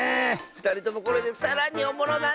ふたりともこれでさらにおもろなったんちゃう